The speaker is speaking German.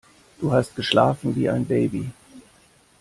Du hast geschlafen wie ein Baby.